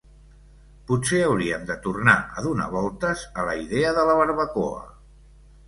Potser hauríem de tornar a donar voltes a la idea de la barbacoa?